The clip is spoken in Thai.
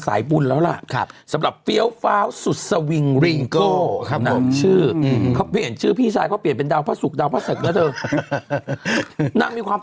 คุณอธิบายอะไรอยู่นี่